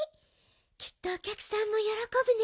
きっとおきゃくさんもよろこぶね。